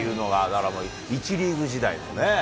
だから１リーグ時代のね。